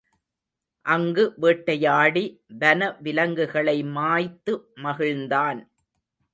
அங்கு வேட்டையாடி வன விலங்குகளை மாய்த்து மகிழ்ந்தான்.